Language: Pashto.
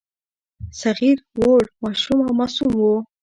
صغیر وړ، ماشوم او معصوم وو.